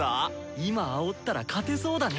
今あおったら勝てそうだね。